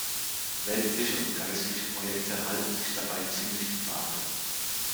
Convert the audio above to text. Weltliche und geistliche Projekte halten sich dabei ziemlich die Waage.